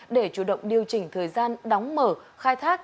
để chủ động điều chỉnh thời gian đóng mở khai thác